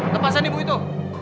lepasan ibu itu